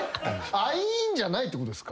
アイーンじゃないってことですか？